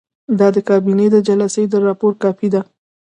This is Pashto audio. دا د کابینې د جلسې د راپور کاپي ده.